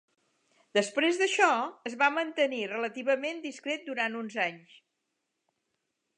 Després d'això, es va mantenir relativament discret durant uns anys.